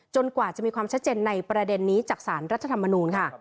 จนกว่าจะไม่จะมีความสะเจนในประเด็นนี้จากสารรัฐมณูน